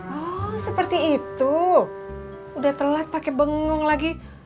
oh seperti itu udah telat pakai bengong lagi